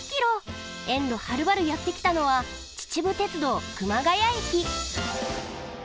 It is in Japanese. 遠路はるばるやってきたのは秩父鉄道・熊谷駅。